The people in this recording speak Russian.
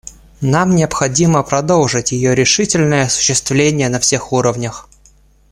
Нам необходимо продолжить ее решительное осуществление на всех уровнях.